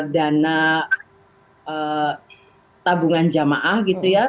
dana tabungan jamaah gitu ya